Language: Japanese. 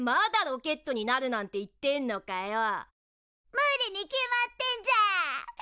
無理に決まってんじゃん！